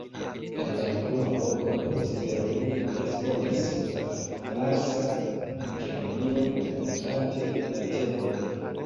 "En la unua loko, la Misterojn," respondis la Falsa Kelonio kalkulante la temojn.